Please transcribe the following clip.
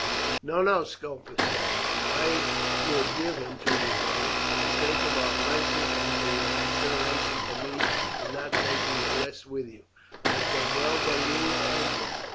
"No, no," Scopus said, "I will give him to you, Beric, for the sake of our friendship, and for your consideration for me in not taking the rest with you. I have done well by you and him.